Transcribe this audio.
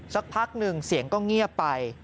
สักพักหนึ่งเสียงก็เงียบไป